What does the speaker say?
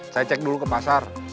saya cek dulu ke pasar